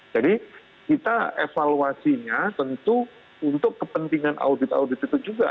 jadi kita evaluasinya tentu untuk kepentingan audit audit itu juga